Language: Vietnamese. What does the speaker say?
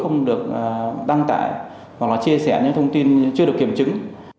không được đăng tải hoặc là chia sẻ những thông tin chưa được kiểm chứng